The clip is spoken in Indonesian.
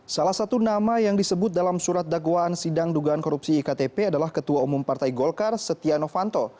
salah satu nama yang disebut dalam surat dakwaan sidang dugaan korupsi iktp adalah ketua umum partai golkar setia novanto